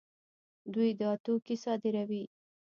دوی دا توکي صادروي.